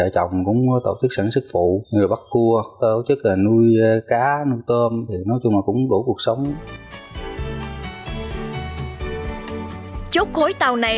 chốt khối tàu này